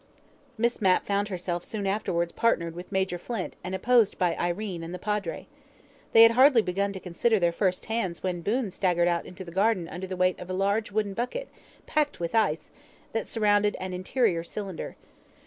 Miss Mapp found herself soon afterwards partnered with Major Flint and opposed by Irene and the Padre. They had hardly begun to consider their first hands when Boon staggered out into the garden under the weight of a large wooden bucket, packet with ice, that surrounded an interior cylinder.